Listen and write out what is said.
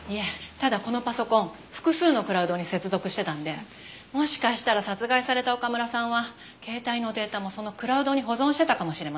ただこのパソコン複数のクラウドに接続してたんでもしかしたら殺害された岡村さんは携帯のデータもそのクラウドに保存してたかもしれません。